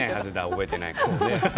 覚えてないからね。